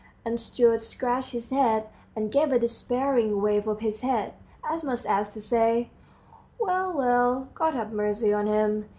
The steward scratched his head, and gave a despairing wave of his head, as much as to say, "Well, well, God have mercy on him!